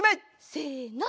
せの。